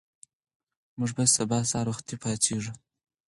موږ به سبا سهار وختي پاڅېږو.